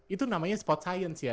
itu namanya sport science ya